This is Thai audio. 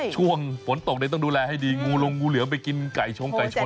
ช่วงฝนตกต้องดูแลให้ดีงูลงงูเหลือมไปกินไก่ชงไก่ชน